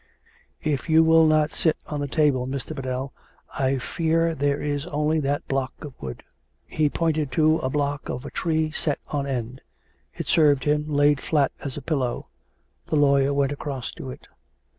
" If you will not sit on the table, Mr. Biddell, I fear there is only that block of wood." He pointed to a block of a tree set on end. It served him, laid flat, as a pillow. The lawyer went across to it.